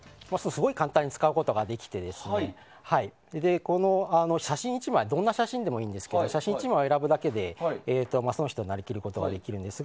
すごい簡単に使うことができてこの写真１枚はどんな写真でもいいんですけど写真１枚選ぶだけで、その人になりきることができます。